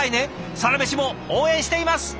「サラメシ」も応援しています！